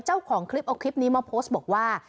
เจ้าของคลิปเอาคลิปนี้มาโพสต์บอกว่า